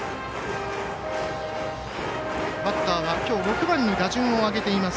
バッターはきょう６番に打順を上げています